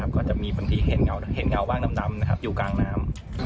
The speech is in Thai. ก็จะมีบางทีเห็นเงาว่างดำอยู่กลางน้ำ